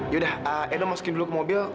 yaudah edo masukin dulu ke mobil